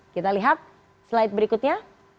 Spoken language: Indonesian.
kita lihat slide berikutnya